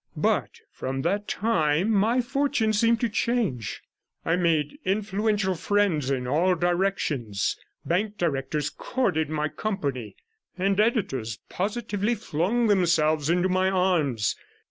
But from that time my fortune seemed to change; I made influential friends in all directions; bank directors courted my company, and editors positively flung themselves into my arms.